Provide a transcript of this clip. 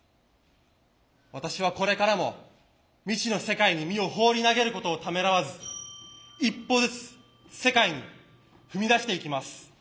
私はこれからも未知の世界に身を放り投げることをためらわず一歩ずつ世界に踏み出していきます。